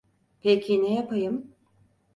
Peki ne yapayım?